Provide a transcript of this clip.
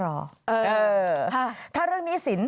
เออค่ะถ้าเรื่องนี้สิน